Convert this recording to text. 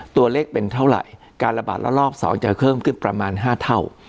ตัวเลขเป็นเท่าไหร่การระบาดระลอก๒จะเพิ่มขึ้นประมาณ๕เท่า